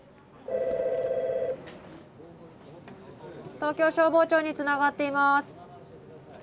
☎東京消防庁につながっています。